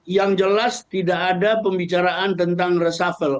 yang jelas tidak ada pembicaraan tentang reshuffle